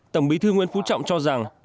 tổng bí thư nguyên phú trọng cho rằng